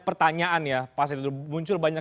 pertanyaan ya pas itu muncul banyak